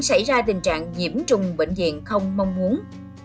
xảy ra tình trạng nhiễm trùng bệnh viện không mong muốn